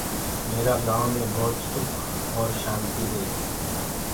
ميرآ گائونٚ مي ڀوت سُک اور شآنتي هي۔